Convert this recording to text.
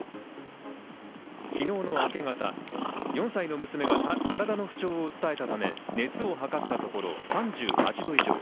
昨日の明け方、４歳の娘が体の不調を訴えたため、熱を測ったところ３８度以上。